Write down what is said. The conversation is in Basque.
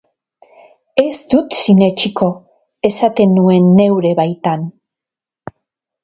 Ez dut sinetsiko, esaten nuen neure baitan.